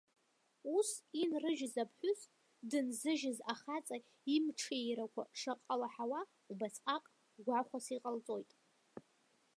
Ус инрыжьыз аԥҳәыс, дынзыжьыз ахаҵа имҽеирақәа шаҟа лаҳауа, убасҟак гәахәас иҟалҵоит.